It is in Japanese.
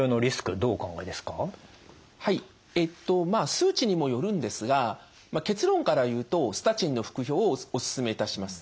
数値にもよるんですが結論から言うとスタチンの服用をお勧めいたします。